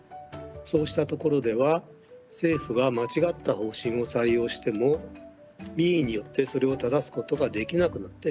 そうしたところでは政府が間違った方針を採用しても民意によってそれを正すことができなくなってしまいます。